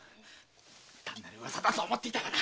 単なる噂だと思っていたがな！